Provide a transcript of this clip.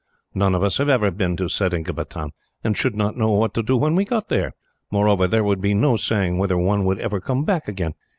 None of us have ever been to Seringapatam, and should not know what to do when we got there. Moreover, there would be no saying whether one would ever come back again.